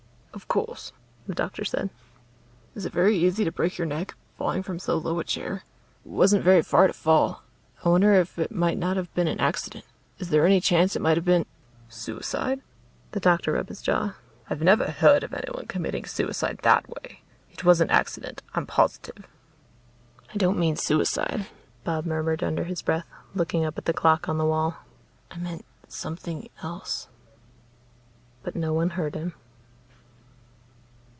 "Of course," the doctor said. "Is it very easy to break your neck, falling from so low a chair? It wasn't very far to fall. I wonder if it might not have been an accident. Is there any chance it might have been " "Suicide?" the doctor rubbed his jaw. "I never heard of anyone committing suicide that way. It was an accident; I'm positive." "I don't mean suicide," Bob murmured under his breath, looking up at the clock on the wall. "I meant something else." But no one heard him.